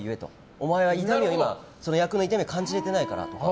お前は役の痛みを感じられてないからって。